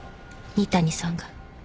仁谷さんが。